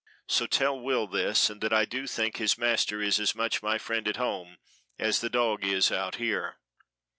So tell Will this, and that I do think his master is as much my friend at home as the dog is out here.